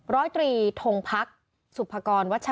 แล้วก็สอบถามเหตุการณ์ที่เกิดขึ้น